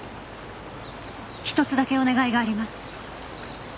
ひとつだけお願いがあります。